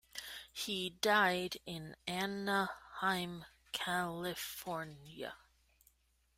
He died in Anaheim, California.